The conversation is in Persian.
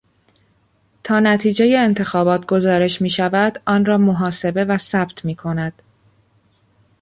تا نتیجهی انتخابات گزارش میشود آن را محاسبه و ثبت میکند.